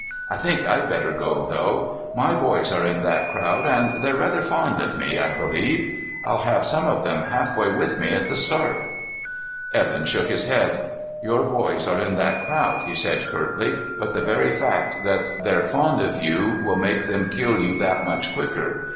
I think I'd better go, though. My boys are in that crowd and they're rather fond of me, I believe. I'll have some of them halfway with me at the start." Evan shook his head. "Your boys are in that crowd," he said curtly, "but the very fact that they're fond of you will make them kill you that much quicker.